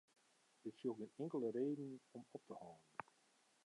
Ik sjoch gjin inkelde reden om op te hâlden.